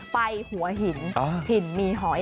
ไปหัวหินถิ่นมีหอย